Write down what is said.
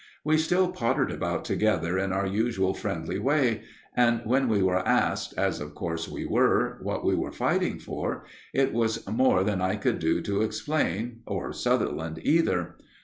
We still pottered about together in our usual friendly way, and when we were asked, as of course we were, what we were fighting for, it was more than I could do to explain, or Sutherland either.